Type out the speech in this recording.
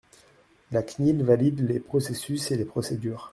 La CNIL valide les processus et les procédures.